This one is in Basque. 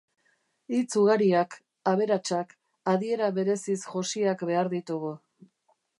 Hitz ugariak, aberatsak, adiera bereziz josiak behar ditugu.